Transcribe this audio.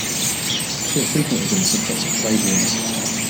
He had frequently been the subject of trade rumors.